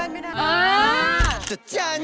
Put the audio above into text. ว่นละมัน